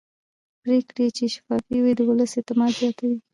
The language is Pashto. پرېکړې چې شفافې وي د ولس اعتماد زیاتوي